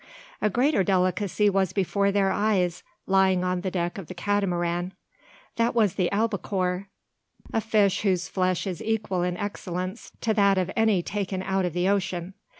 A greater delicacy was before their eyes, lying on the deck of the Catamaran. That was the albacore, a fish whose flesh is equal in excellence to that of any taken out of the ocean.